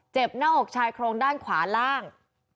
หน้าอกชายโครงด้านขวาล่าง